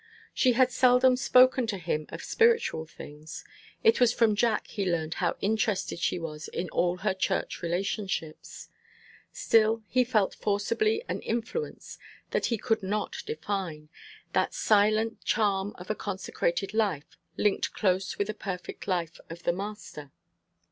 She had seldom spoken to him of spiritual things. It was from Jack he learned how interested she was in all her Church relationships. Still he felt forcibly an influence that he could not define; that silent charm of a consecrated life, linked close with the perfect life of the Master.